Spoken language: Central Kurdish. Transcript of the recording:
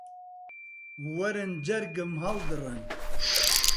وەرن جەرگم هەڵدڕن